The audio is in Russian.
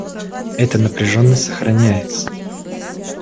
Эта напряженность сохраняется.